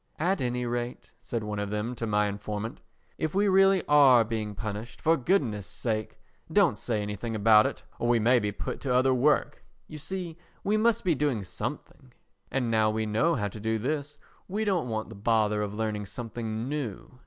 "At any rate," said one of them to my informant, "if we really are being punished, for goodness' sake don't say anything about it or we may be put to other work. You see, we must be doing something, and now we know how to do this, we don't want the bother of learning something new.